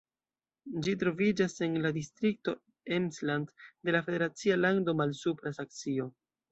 Ĝi troviĝas en la distrikto Emsland de la federacia lando Malsupra Saksio.